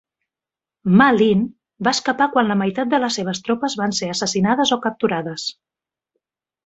Ma Lin va escapar quan la meitat de les seves tropes van ser assassinades o capturades.